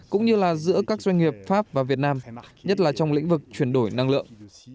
cũng như là giữa các doanh nghiệp pháp và việt nam nhất là trong lĩnh vực chuyển đổi năng lượng